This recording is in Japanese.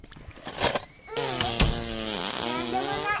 ううんなんでもない。